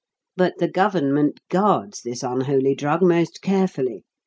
But the Government guards this unholy drug most carefully.